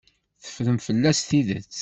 Teffrem fell-as tidet.